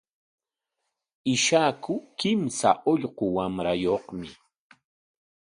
Ishaku kimsa ullqu wamrayuqmi.